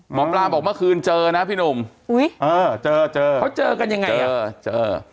หมอปลาบอกเมื่อคืนเจอนะพี่หนุ่มอุ้ยเออเจอเจอเขาเจอกันยังไงอ่ะเออเจอ